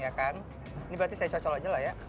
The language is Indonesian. iya kan ini berarti saya cocol aja lah ya